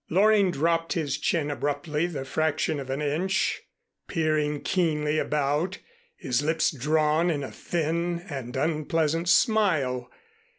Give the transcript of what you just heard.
Loring dropped his chin abruptly the fraction of an inch, peering keenly about, his lips drawn in a thin and unpleasant smile.